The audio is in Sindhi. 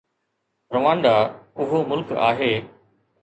روانڊا اهو ملڪ آهي.